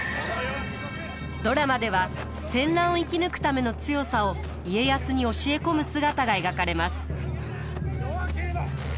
ドラマでは戦乱を生き抜くための強さを家康に教え込む姿が描かれます。